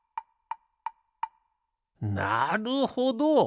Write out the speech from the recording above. なるほど！